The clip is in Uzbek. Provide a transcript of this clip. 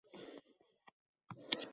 Bobo va nevara shirin uyquga ketdi…